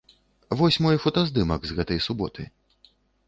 Вось мой фотаздымак з гэтай суботы.